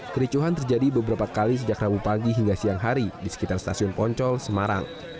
kericuhan terjadi beberapa kali sejak rabu pagi hingga siang hari di sekitar stasiun poncol semarang